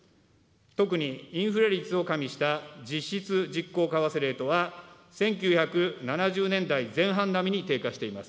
特にインフレ率を加味した実質実効為替レートは１９７０年代前半並みに低下しています。